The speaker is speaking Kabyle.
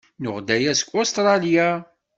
Nuɣ-d aya seg Ustṛalya.